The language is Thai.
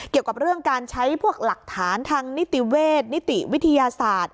เกี่ยวกับเรื่องการใช้พวกหลักฐานทางนิติเวชนิติวิทยาศาสตร์